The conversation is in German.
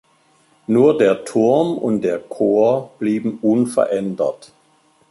Nur der Turm und der Chor blieben unverändert.